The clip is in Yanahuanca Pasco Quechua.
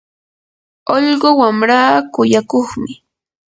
ullqu wamraa kuyakuqmi.